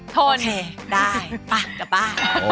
ทนได้ไปกลับบ้าน